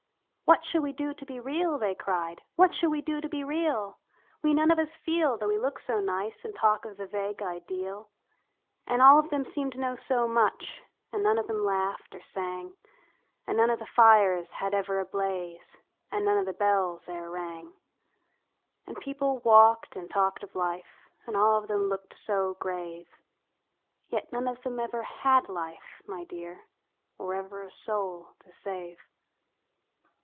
" What shall we do to be real ?" they cried, " What shall we do to be real ? vi.] THE PAPER SHIP. 75 We none of us feel, though we look so nice, And talk of the vague ideal." And all of them seemed to know so much, But none of them laughed or sang ; And none of the fires had ever a blaze, And none of the bells e'er rang. And people walked and talked of life, And all of them looked so grave ; Yet none of them ever had life, my dear, Or ever a soul to save.